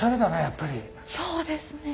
そうですね。